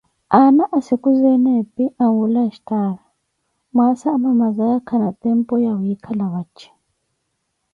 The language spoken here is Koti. Aana sikhuzeene epi anwula nstaara, mwaasa amamazaya khana tempo ya wiikhala vaje.